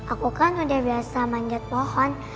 aku kan udah biasa manjat pohon